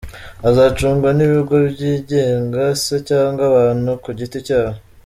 Azacungwa n’ibigo byigenga se cg abantu ku giti cyabo ?